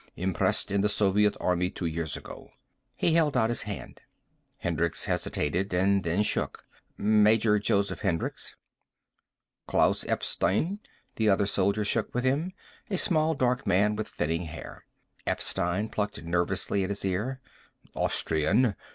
Impressed in the Soviet Army two years ago." He held out his hand. Hendricks hesitated and then shook. "Major Joseph Hendricks." "Klaus Epstein." The other soldier shook with him, a small dark man with thinning hair. Epstein plucked nervously at his ear. "Austrian.